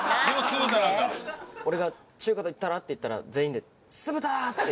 俺が「中華と言ったら？」って言ったら全員で「酢豚！」って。